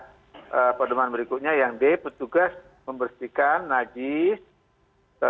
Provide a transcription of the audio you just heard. pedoman berikutnya yang d petugas membersihkan najis